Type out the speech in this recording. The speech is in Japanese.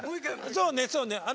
そうねそうね。